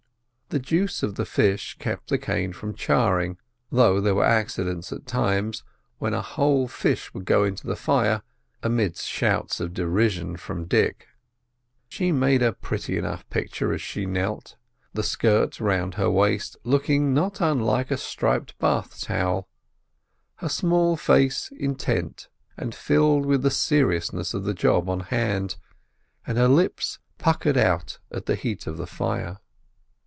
The juice of the fish kept the cane from charring, though there were accidents at times, when a whole fish would go into the fire, amidst shouts of derision from Dick. She made a pretty enough picture as she knelt, the "skirt" round the waist looking not unlike a striped bath towel, her small face intent, and filled with the seriousness of the job on hand, and her lips puckered out at the heat of the fire.